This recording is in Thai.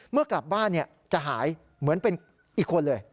เมื่อกลับบ้านจะหายเหมือนเป็นอีกคนเลย